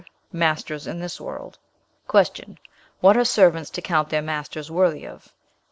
'Masters in this world.' "Q. What are servants to count their masters worthy of?